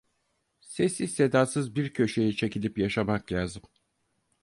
Sessiz sedasız bir köşeye çekilip yaşamak lazım.